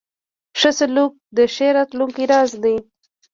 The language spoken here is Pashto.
ښه سلوک د ښې راتلونکې راز دی.